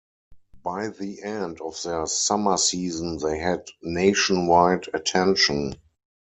By the end of their summer season, they had nationwide attention.